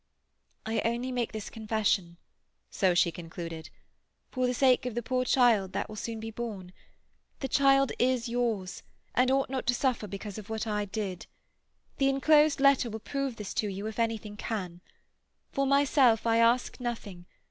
"I only make this confession"—so she concluded—"for the sake of the poor child that will soon be born. The child is yours, and ought not to suffer because of what I did. The enclosed letter will prove this to you, if anything can. For myself I ask nothing.